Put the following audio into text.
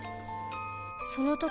その時